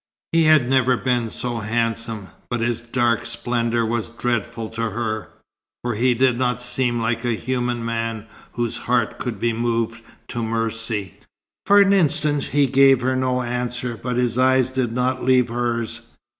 He had never been so handsome, but his dark splendour was dreadful to her, for he did not seem like a human man whose heart could be moved to mercy. For an instant he gave her no answer, but his eyes did not leave hers.